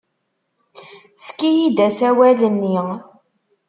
Efk-iyi-d asawal-nni.